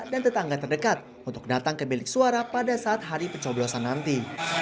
dan tetangga terdekat untuk datang ke bilik suara pada saat hari pecoblosan nanti